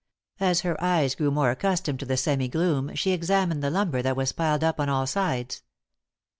As her eyes grew more accustomed to the semi gloom, she examined the lumber that was piled up on all sides.